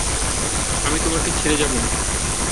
আমি তোমাকে ছেড়ে যাবো না।